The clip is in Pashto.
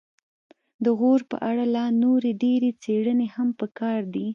د غور په اړه لا نورې ډېرې څیړنې هم پکار دي